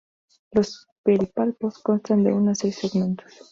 Los pedipalpos constan de uno a seis segmentos.